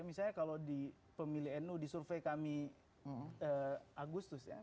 misalnya kalau di pemilih nu disurvey kami agustus ya